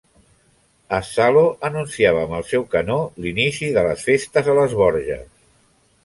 Es Salo anunciava amb el seu el canó l’inici de les festes a les Borges.